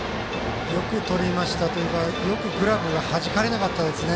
よくとりましたというかよくグラブがはじかれなかったですね。